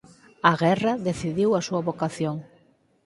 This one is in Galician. A guerra decidiu a súa vocación.